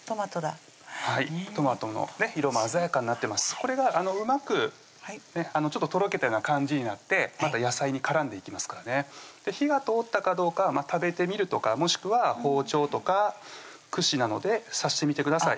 これがうまくとろけたような感じになってまた野菜に絡んでいきますからね火が通ったかどうかは食べてみるとかもしくは包丁とか串などで刺してみてください